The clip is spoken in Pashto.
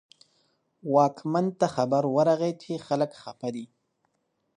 واکمن ته خبر ورغی چې خلک خپه دي.